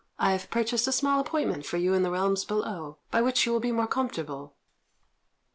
I have purchased a small appointment for you in the realms below, by which you will be more comfortable."